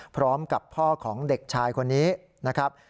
พร้อมกับพ่อของเด็กชายคนนี้นะครับ